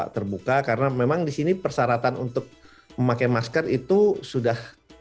terbuka karena memang di sini persyaratan untuk memakai masker itu sudah